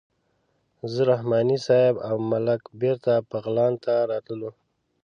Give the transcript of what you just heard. زه رحماني صیب او ملنګ بېرته بغلان ته راتللو.